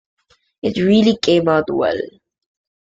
It really came out well.